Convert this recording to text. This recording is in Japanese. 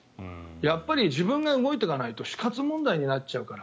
やっぱり自分が動いていかないと死活問題になるから。